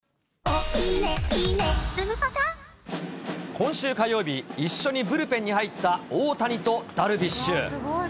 今週火曜日、一緒にブルペンに入った大谷とダルビッシュ。